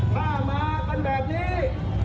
ถ้ามากันแบบนี้